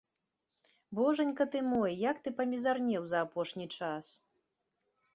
Божанька ты мой, як ты памізарнеў за апошні час!